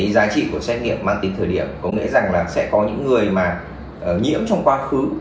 giá trị của xét nghiệm mang tính thời điểm có nghĩa rằng là sẽ có những người nhiễm trong quá khứ